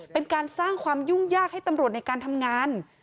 เป็นการสร้างความยุ่งยากให้ตำรวจในการทำงาน